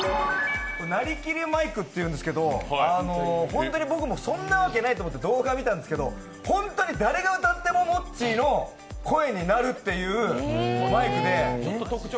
なりきりマイクというんですけど、ホントに僕もそんなわけないと思って動画見たんですけど本当に誰が歌ってももっちーの声になるっていうマイクで。